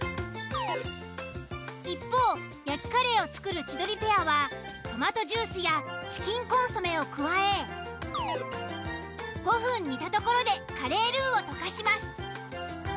一方焼きカレーを作る千鳥ペアはトマトジュースやチキンコンソメを加え５分煮たところでカレールーを溶かします。